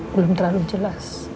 belum terlalu jelas